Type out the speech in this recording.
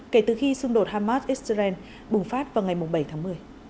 kể từ khi xung đột hamas israel bùng phát vào ngày bảy tháng một mươi